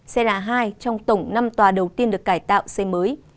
sẽ là hai trong tổng năm tòa đầu tiên được cải tạo xe mới